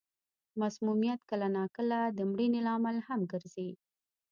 مسمومیت کله نا کله د مړینې لامل هم ګرځي.